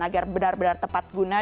agar benar benar tepat guna